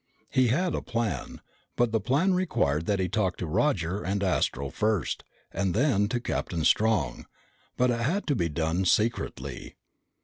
He had a plan, but the plan required that he talk to Roger and Astro first, and then to Captain Strong, but it had to be done secretly.